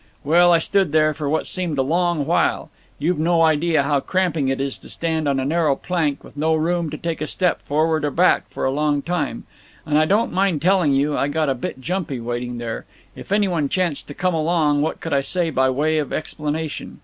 "Well, I stood there for what seemed a long while. You've no idea how cramping it is to stand on a narrow plank with no room to take a step forward or back, for long at a time. And I don't mind telling you I got a bit jumpy, waiting there. If anyone chanced to come along, what could I say by way of explanation?